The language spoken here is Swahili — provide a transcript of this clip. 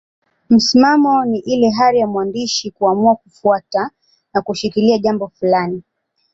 Msimamo ni ile hali ya mwandishi kuamua kufuata na kushikilia jambo fulani.